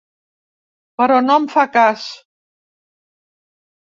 Però no em fa cas.